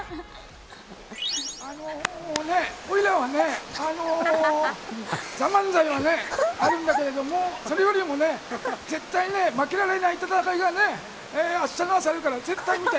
あのー、おいらはね「ＴＨＥＭＡＮＺＡＩ」があるんだけれどもそれよりもね絶対負けられない戦いがね明日の朝あるから、絶対見て。